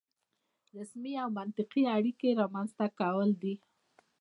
رسمي او منطقي اړیکې رامنځته کول مهم دي.